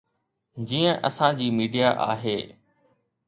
جيئن اسان جي ميڊيا آهي.